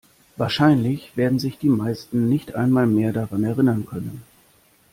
Wahrscheinlich werden sich die meisten nicht einmal mehr daran erinnern können.